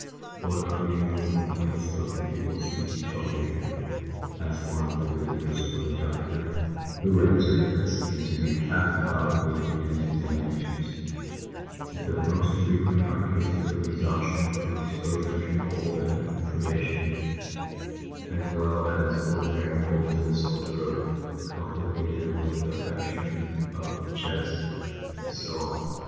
What are the usual complaints of the people seeking shelter here ?" asked one of the visitors of the doctor, who answered, as he continued, half methodically, his examinations. " The most frequent are cases of exhaustion from exposure to cold and privation, as well as ordinary colds and sore throat, complicated with affection of the chest, and so on.